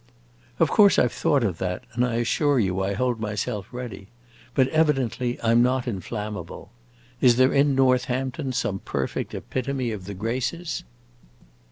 "Of course I 've thought of that, and I assure you I hold myself ready. But, evidently, I 'm not inflammable. Is there in Northampton some perfect epitome of the graces?"